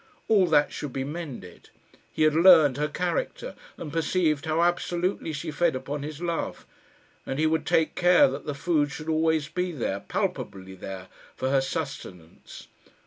All that should be mended. He had learned her character, and perceived how absolutely she fed upon his love; and he would take care that the food should always be there, palpably there, for her sustenance.